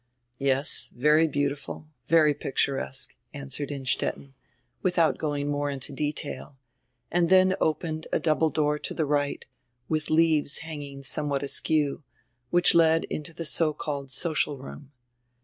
"Yes, very beautiful, very picturesque," answered Innstetten, without going more into detail, and tiien opened a double door to die right, widi leaves hanging somewhat askew, which led into die so called social room.